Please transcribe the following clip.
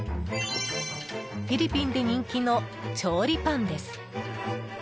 フィリピンで人気の調理パンです。